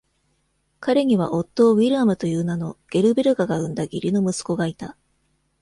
彼にはオットー・ウィリアムという名の、ゲルベルガが生んだ義理の息子がいた。